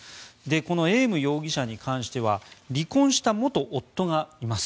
このエーム容疑者に関しては離婚した元夫がいます。